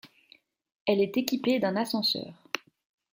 Elle est équipée d'un ascenseur.